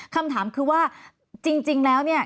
คำถามคือว่าจริงแล้วเนี่ย